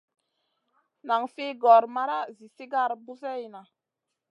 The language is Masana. Nan fi gor mara zi sigar buseyna.